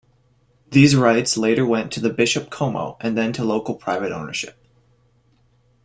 These rights later went to the Bishop Como and then to local private ownership.